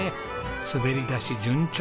滑りだし順調。